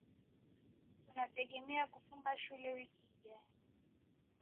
Tunategemea kufunga Shule wiki ijayo.